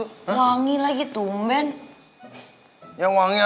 sampai jumpa di video selanjutnya